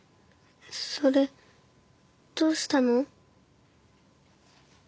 それどうしたの？